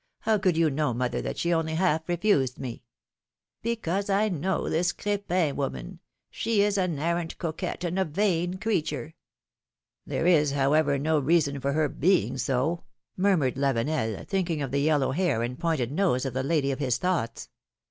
How could you know, mother, that she only half refused me?'^ Because I know this Crepin woman ; she is an arrant coquette, and a vain creature.^^ There is, however, no reason for her being so,'^ mur mured Lavenel, thinking of the yellow hair and pointed nose of the lady of his thoughts.